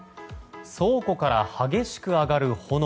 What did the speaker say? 倉庫から激しく上がる炎。